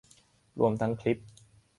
รวมทั้งคลิป